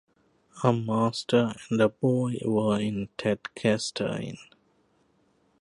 A master and a boy were in Tadcaster Inn.